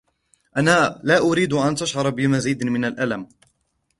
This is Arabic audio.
أنا لا أريد أن تشعر بمزيد من الألم.